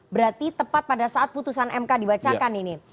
berarti tepat pada saat putusan mk dibacakan ini